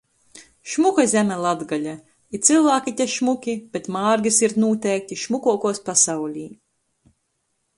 Šmuka zeme Latgola, i cylvāki te šmuki, bet mārgys ir, nūteikti, šmukuokuos pasaulī...